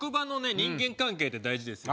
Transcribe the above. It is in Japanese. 人間関係って大事ですよ